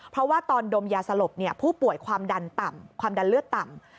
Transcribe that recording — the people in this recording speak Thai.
เพราะว่าตอนดมยาสลบผู้ป่วยความดันเลือดต่ำ